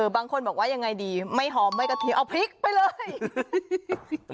บางคนบอกว่ายังไงดีไม่หอมไม่กะทิเอาพริกไปเลย